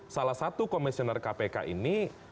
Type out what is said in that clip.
salah satu komisioner kpk ini